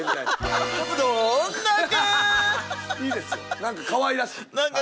何かかわいらしい。